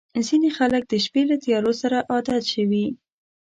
• ځینې خلک د شپې له تیارو سره عادت شوي.